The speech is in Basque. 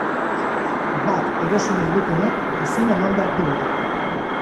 Bat erosi nahi dutenek izena eman beharko dute.